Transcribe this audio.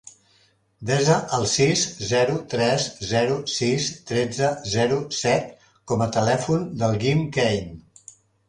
Desa el sis, zero, tres, zero, sis, tretze, zero, set com a telèfon del Guim Kane.